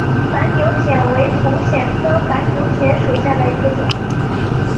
反扭藓为丛藓科反扭藓属下的一个种。